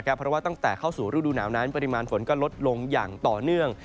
เพราะว่าตั้งแต่เข้าสู่ฤดูหนาวนั้นปริมาณฝนก็ลดลงอย่างต่อเนื่อง